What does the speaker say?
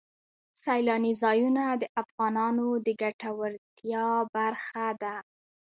سیلانی ځایونه د افغانانو د ګټورتیا برخه ده.